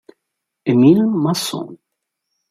Émile Masson